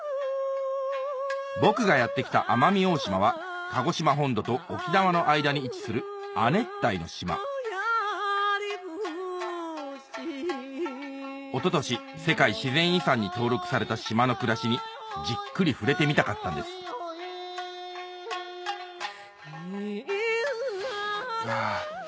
僕がやって来た奄美大島は鹿児島本土と沖縄の間に位置する亜熱帯の島された島の暮らしにじっくり触れてみたかったんですはぁ。